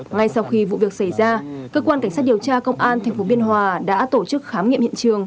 ngay sau khi vụ việc xảy ra cơ quan cảnh sát điều tra công an tp biên hòa đã tổ chức khám nghiệm hiện trường